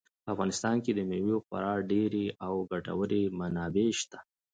په افغانستان کې د مېوو خورا ډېرې او ګټورې منابع شته.